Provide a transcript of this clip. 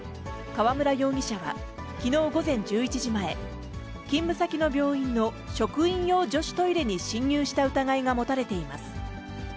川村容疑者はきのう午前１１時前、勤務先の病院の職員用女子トイレに侵入した疑いが持たれています。